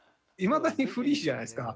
いまだにフリーじゃないですか。